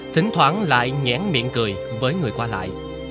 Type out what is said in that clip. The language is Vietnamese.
thỉnh thoảng lại nhãn miệng cười với người qua lại